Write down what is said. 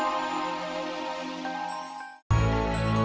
oleh sehingga mbak tr bantuyah mbak nvidia tapi enggak bisa gue pergi ke rumah tos